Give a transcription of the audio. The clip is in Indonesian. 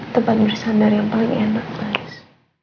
tempat bersandar yang paling enak guys